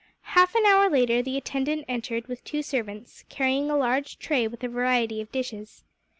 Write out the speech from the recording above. Half an hour later the attendant entered with two servants, carrying a large tray with a variety of dishes.